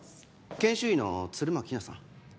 研修医の弦巻比奈さん？